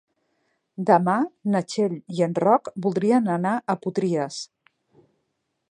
Demà na Txell i en Roc voldrien anar a Potries.